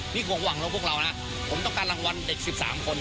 นี่คงหวังแล้วพวกเรานะผมต้องการรางวัลเด็ก๑๓คน